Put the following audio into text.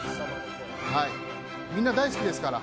みんな大好きですから。